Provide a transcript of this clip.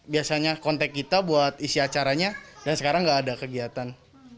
biasanya kontak kita buat isi acaranya dan sekarang nggak ada kegiatan